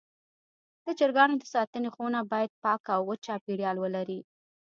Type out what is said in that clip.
د چرګانو د ساتنې خونه باید پاکه او وچ چاپېریال ولري.